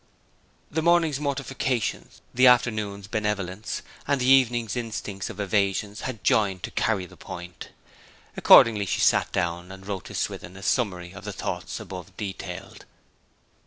The morning's mortification, the afternoon's benevolence, and the evening's instincts of evasion had joined to carry the point. Accordingly she sat down, and wrote to Swithin a summary of the thoughts above detailed.